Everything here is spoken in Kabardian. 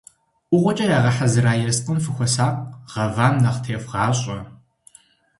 ӀугъуэкӀэ ягъэхьэзыра ерыскъым фыхуэсакъ, гъэвам нэхъ тевгъащӀэ.